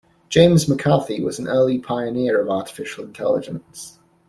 James McCarthy was an early pioneer of artificial intelligence.